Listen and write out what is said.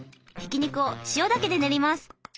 ひき肉を塩だけで練ります。